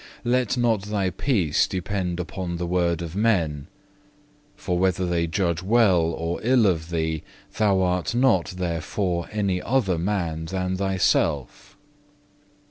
2. "Let not thy peace depend upon the word of men; for whether they judge well or ill of thee, thou art not therefore any other man than thyself.